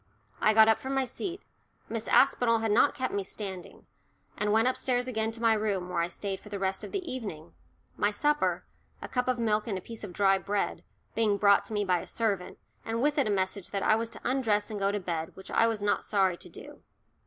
I got up from my seat Miss Aspinall had not kept me standing and went upstairs again to my room, where I stayed for the rest of the evening, my supper a cup of milk and a piece of dry bread being brought me by a servant, and with it a message that I was to undress and go to bed, which I was not sorry to do.